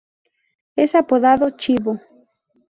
Es apodado "Chivo".